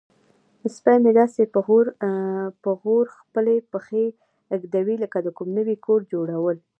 سپی مې داسې په غور خپلې پښې ږدوي لکه د کوم نوي کور جوړول.